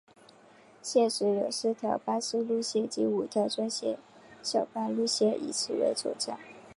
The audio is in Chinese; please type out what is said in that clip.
现时有四条巴士路线及五条专线小巴路线以此为总站。